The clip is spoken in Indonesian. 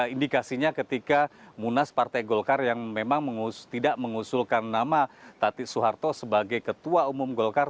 indikasinya ketika munas partai golkar yang memang tidak mengusulkan nama tati soeharto sebagai ketua umum golkar